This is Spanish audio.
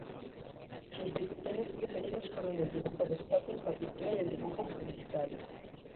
Sus disciplinas preferidas fueron el dibujo de estatuas, la pintura y el dibujo publicitario.